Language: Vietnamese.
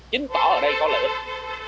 chính tỏ ở đây có lợi ứng